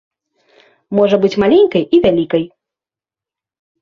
Можа быць маленькай і вялікай.